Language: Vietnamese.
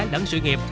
lẫn sự nghiệp